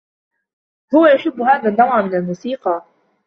هو يحب هذا النوع من الموسيقى.